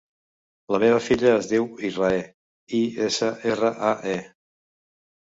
La meva filla es diu Israe: i, essa, erra, a, e.